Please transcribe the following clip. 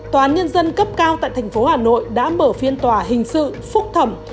tòa án nhân dân cấp cao tại thành phố hà nội đã mở phiên tòa hình sự phúc thẩm